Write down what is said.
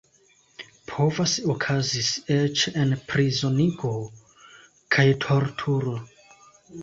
Povas okazis eĉ enprizonigo kaj torturo.